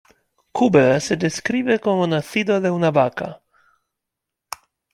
Kúbera se describe como nacido de una vaca.